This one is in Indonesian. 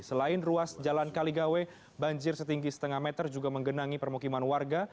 selain ruas jalan kaligawe banjir setinggi setengah meter juga menggenangi permukiman warga